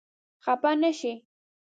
خپه نه شې.